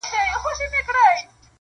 همدې ژبي يم تر داره رسولى!!